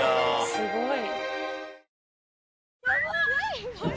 すごい。